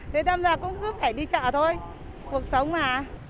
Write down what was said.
thì đâm ra cũng giúp phải đi chợ thôi cuộc sống mà